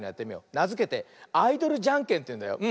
なづけて「アイドルじゃんけん」というんだよ。